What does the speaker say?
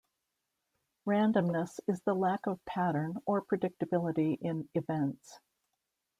Randomness is the lack of pattern or predictability in events.